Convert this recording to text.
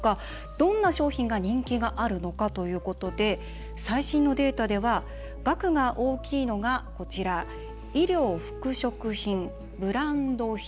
どんな商品が人気があるのかということで最新のデータでは額が大きいのがこちら衣料・服飾品そして、ブランド品